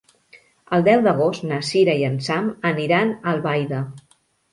El deu d'agost na Cira i en Sam aniran a Albaida.